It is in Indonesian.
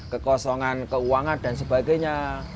kekosongan keuangan dan sebagainya